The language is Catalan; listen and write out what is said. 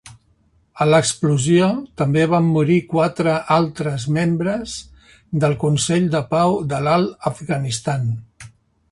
A l'explosió, també van morir quatre altres membres del Consell de Pau de l'Alt Afganistan.